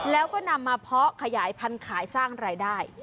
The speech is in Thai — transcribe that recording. แล้วก็นำมาเพาะขยายพันธุ์ขายสร้างรายได้